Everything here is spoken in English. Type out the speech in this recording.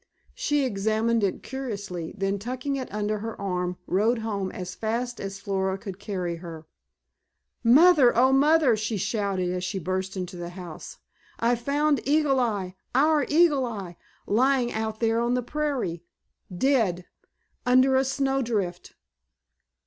She examined it curiously, then tucking it under her arm rode home as fast as Flora could carry her. "Mother, oh, Mother," she shouted as she burst into the house, "I found Eagle Eye—our Eagle Eye—lying out there on the prairie—dead—under a snowdrift!"